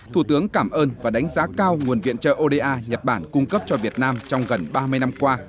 thủ tướng cảm ơn và đánh giá cao nguồn viện trợ oda nhật bản cung cấp cho việt nam trong gần ba mươi năm qua